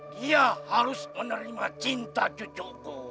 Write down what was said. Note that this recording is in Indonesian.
dia harus menerima cinta cucuku